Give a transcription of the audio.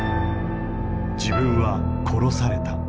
自分は殺された。